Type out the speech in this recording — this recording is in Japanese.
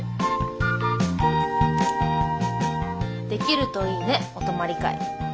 できるといいねお泊まり会。